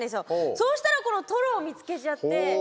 そうしたら「トロ」を見つけちゃって。